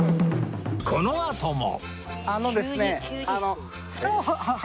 このあともああ。